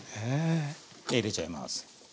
入れちゃいます。